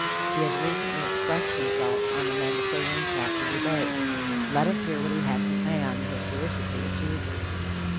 He has recently expressed himself on the Mangasarian Crapsey Debate. Let us hear what he has to say on the historicity of Jesus.